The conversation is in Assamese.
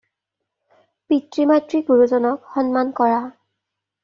পিতৃ-মাতৃ, গুৰুজনক সন্মান কৰা।